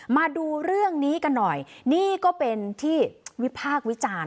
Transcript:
มาดูเรื่องนี้กันหน่อยนี่ก็เป็นที่วิพากษ์วิจารณ์